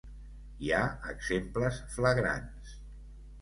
Hi ha exemples flagrants.